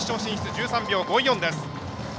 １３秒５４です。